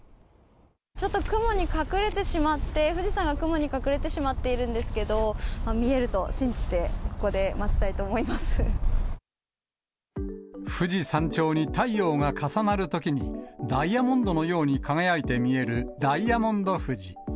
ちょっと雲に隠れてしまって、富士山が雲に隠れてしまっているんですけれども、見えると信じて、富士山頂に太陽が重なるときに、ダイヤモンドのように輝いて見えるダイヤモンド富士。